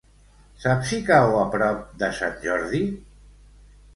Saps si cau a prop de Sant Jordi?